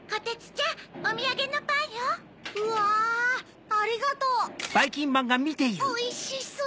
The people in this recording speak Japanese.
おいしそう！